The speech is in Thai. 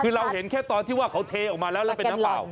คือเราเห็นแค่ตอนที่ว่าเขาเทออกมาแล้วแล้วเป็นน้ำเปล่า